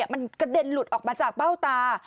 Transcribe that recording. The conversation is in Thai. มันกระเด็นหลุดออกมาจากเบ้าตา